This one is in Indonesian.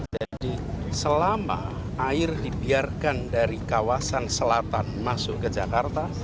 jadi selama air dibiarkan dari kawasan selatan masuk ke jakarta